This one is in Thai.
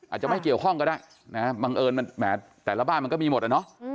อาจจะไม่เกี่ยวข้องก็ได้นะบังเอิญมันแหมแต่ละบ้านมันก็มีหมดอะเนาะ